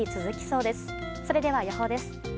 それでは、予報です。